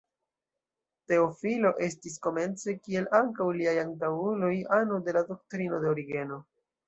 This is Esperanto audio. Teofilo estis komence, kiel ankaŭ liaj antaŭuloj, ano de la doktrino de Origeno.